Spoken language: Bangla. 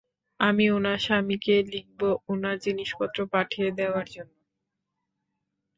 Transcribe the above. আমি উনার স্বামীকে লিখবো উনার জিনিসপত্র পাঠিয়ে দেওয়ার জন্য।